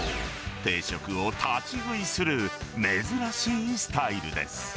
定食を立ち食いする珍しいスタイルです。